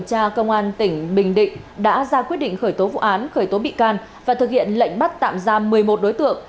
điều tra công an tỉnh bình định đã ra quyết định khởi tố vụ án khởi tố bị can và thực hiện lệnh bắt tạm giam một mươi một đối tượng